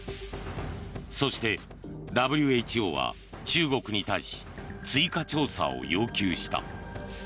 そして、ＷＨＯは中国に対し追加調査を要求した。